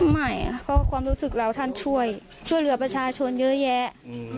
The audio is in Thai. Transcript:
ไม่เพราะความรู้สึกเราท่านช่วยช่วยเหลือประชาชนเยอะแยะ